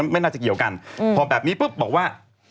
ไม่น่าจะเกี่ยวกันพอแบบนี้ปุ๊บบอกว่า